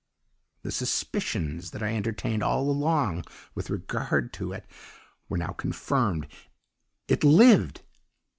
The suspicions that I entertained all along with regard to it were now confirmed it lived!!!